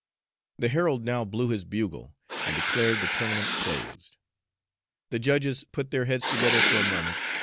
The herald now blew his bugle and declared the tournament closed. The judges put their heads together for a moment.